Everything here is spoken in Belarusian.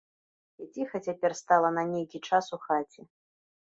І ціха цяпер стала на нейкі час у хаце.